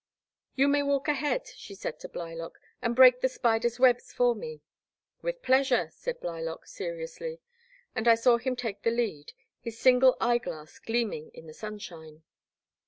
You may walk ahead,*' she said to Blylock, and break the spiders* webs for me. With pleasure,*' said Blylock, seriously, and I saw him take the lead, his single eyeglass gleaming in the sunshine.